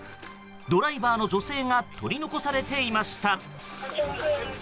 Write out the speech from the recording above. ドライバーの女性が取り残されていました。